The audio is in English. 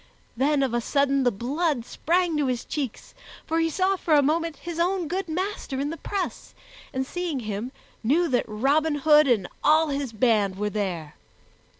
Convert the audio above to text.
Then of a sudden the blood sprang to his cheeks, for he saw for a moment his own good master in the press and, seeing him, knew that Robin Hood and all his band were there.